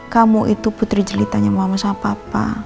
kamu itu putri jelitanya mama sama papa